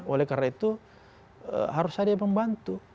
oleh karena itu harus ada yang membantu